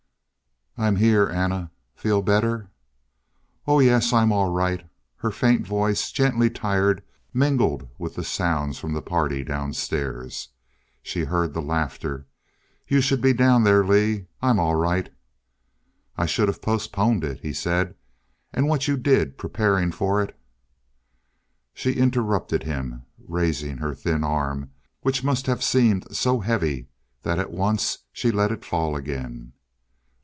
"I'm here, Anna. Feel better?" "Oh, yes. I'm all right." Her faint voice, gently tired, mingled with the sounds from the party downstairs. She heard the laughter. "You should be down there, Lee. I'm all right." "I should have postponed it," he said. "And what you did, preparing for it " She interrupted him, raising her thin arm, which must have seemed so heavy that at once she let it fall again.